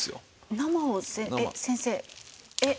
生を先生えっ？